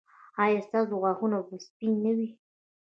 ایا ستاسو غاښونه به سپین نه وي؟